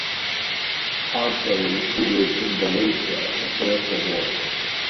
Pompey, who was in Galatia, prepared for war.